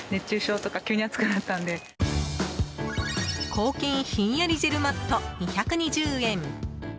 抗菌ひんやりジェルマット２２０円。